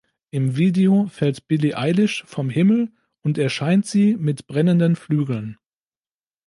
Im Video fällt Billie Eilish vom Himmel und erscheint sie mit brennenden Flügeln.